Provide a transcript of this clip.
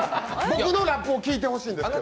僕のラップを聴いてほしいんですよ。